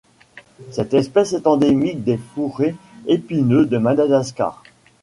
Cette espèce est endémique des fourrés épineux de Madagascar.